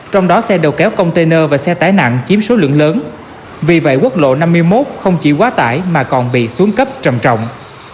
trong đó xe đầu kéo container và xe tải nặng chiếm số lượng lớn vì vậy quốc lộ năm mươi một không chỉ quá tải mà còn bị xuống cấp trầm trọng